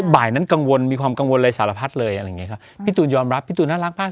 บ่ายนั้นกังวลมีความกังวลเลยสารพัดเลยพี่ตูนยอมรับพี่ตูนน่ารักมาก